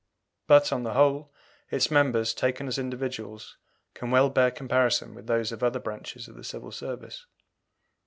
But, on the whole, its members, taken as individuals, can well bear comparison with those of other branches of the Civil Service.